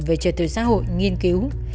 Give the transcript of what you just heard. về trợ tử xã hội nghiên cứu